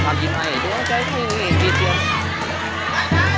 นี่เทรมที่๔แล้ว